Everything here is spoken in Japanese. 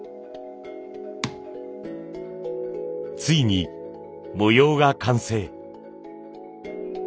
ついに模様が完成！